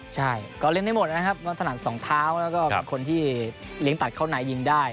ใช่ก็เล่นได้หมดนะครับน้องถนัดสองเท้าแล้วก็เป็นคนที่เลี้ยงตัดเข้าในยิงได้